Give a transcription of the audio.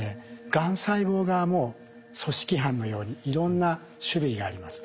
がん細胞側も組織犯のようにいろんな種類があります。